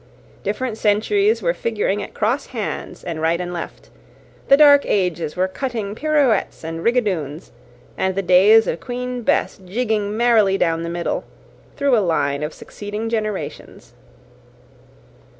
Different centuries were figuring at cross hands and right and left; the dark ages were cutting pirouettes and rigadoons; and the days of Queen Bess jigging merrily down the middle, through a line of succeeding generations.